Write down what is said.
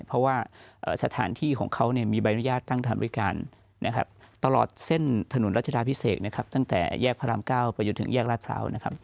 เพราะว่าสถานที่ของเขามีใบอนุญาตตั้งทางบริการตลอดเส้นถนนรัชดาพิเศษตั้งแต่แยกพระรามเก้าไปอยู่ถึงแยกราชพราวน์